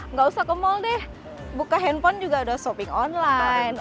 nggak usah ke mall deh buka handphone juga udah shopping online